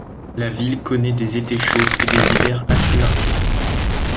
La ville connaît des étés chauds et des hivers assez marqués.